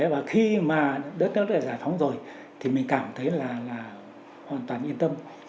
và khi mà đất nước đã giải phóng rồi thì mình cảm thấy là hoàn toàn yên tâm